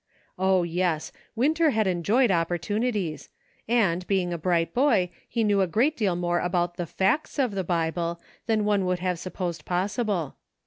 O, yes ! Winter had enjoyed opportunities ; and, being a bright boy, he knew a great deal more about the facts of the Bible than one would have supposed possible.